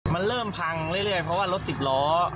มันเริ่มพังเรื่อยเพราะว่ารถสิบล้อ